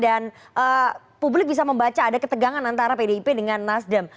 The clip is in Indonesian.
dan publik bisa membaca ada ketegangan antara pdip dengan nasdem